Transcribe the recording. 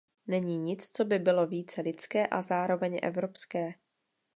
Není nic, co by bylo více lidské a zároveň evropské.